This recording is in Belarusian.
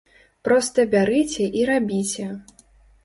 Проста бярыце і рабіце!